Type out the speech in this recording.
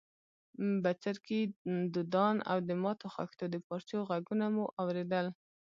بڅرکي، دودان او د ماتو خښتو د پارچو ږغونه مو اورېدل.